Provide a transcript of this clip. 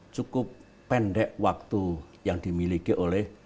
cukup pendek waktu yang dimiliki oleh